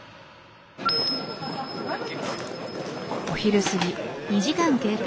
お昼過ぎ。